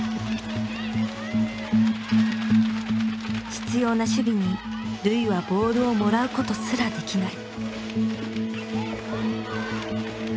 執ような守備に瑠唯はボールをもらうことすらできない。